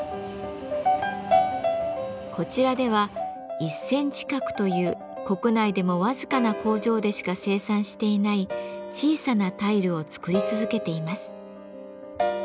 こちらでは１センチ角という国内でも僅かな工場でしか生産していない小さなタイルを作り続けています。